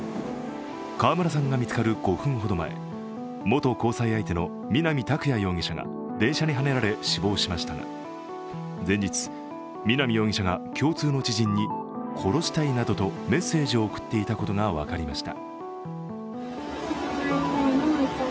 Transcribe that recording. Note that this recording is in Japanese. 川村さんが見つかる５分ほど前、元交際相手の南拓哉容疑者が電車にはねられ死亡しましたが、前日、南容疑者が共通の知人に殺したいなどとメッセージを送っていたことが分かりました。